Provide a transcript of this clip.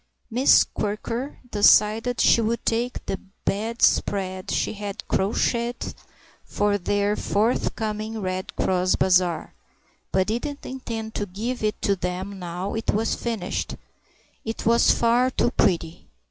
Miss Quirker decided she would take the bedspread she had crocheted for their forthcoming Red Cross bazaar (but didn't intend to give it to them now it was finished; it was far too pretty.